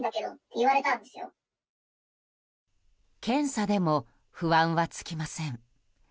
検査でも不安は尽きません。